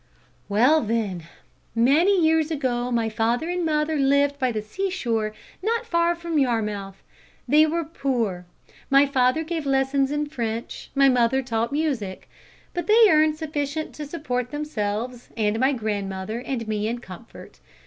"Well, then, many years ago my father and mother lived by the seashore not far from Yarmouth. They were poor. My father gave lessons in French, my mother taught music. But they earned sufficient to support themselves and my grandmother and me in comfort.